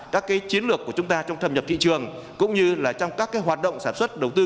các chiến lược của chúng ta trong thầm nhập thị trường cũng như trong các hoạt động sản xuất đầu tư